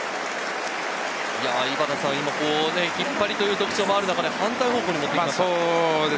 引っ張りという特徴もある中で反対方向に打っていきました。